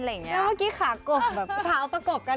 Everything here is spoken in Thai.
เมื่อกี้ขาเอาไปกบกัน